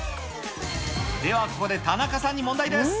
では、ここで田中さんに問題です。